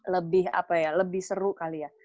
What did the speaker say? lebih apa ya lebih seru kali ya